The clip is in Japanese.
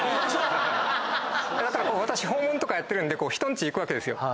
私訪問とかやってるんで人んち行くわけですよ。